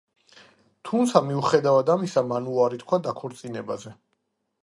თუმცა, მიუხედავად ამისა, მან უარი თქვა დაქორწინებაზე.